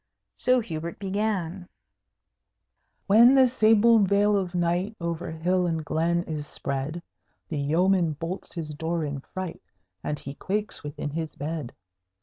So Hubert began: When the sable veil of night Over hill and glen is spread, The yeoman bolts his door in fright, And he quakes within his bed.